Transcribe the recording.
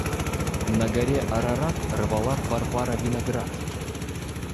На горе Арарат рвала Варвара виноград.